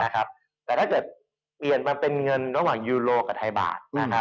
แต่ถ้าเกิดเปลี่ยนมาเป็นเงินระหว่างยูโรกับไทยบาท